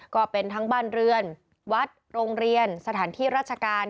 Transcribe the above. ก็เป็นทั้งบ้านเรือนวัดโรงเรียนสถานที่ราชการ